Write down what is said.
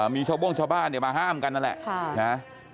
มีชาวโบ้งชาวบ้านเนี่ยมาห้ามกันนั่นแหละ